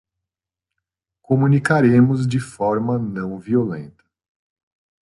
Comunicaremos de forma não violenta